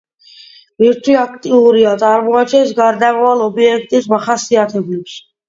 ბირთვი აქტიურია, წარმოაჩენს „გარდამავალი“ ობიექტის მახასიათებლებს.